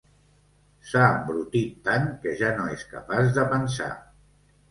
S'ha embrutit tant, que ja no és capaç de pensar!